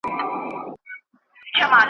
چي پر مځکه خوځېدله د ده ښکار وو !.